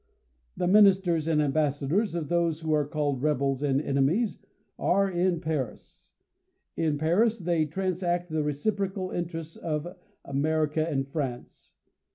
The ministers and ambassadors of those who arc called rebels and enemies, are in Paris ; in Paris they trans*' act the reciprocal interests of America and France.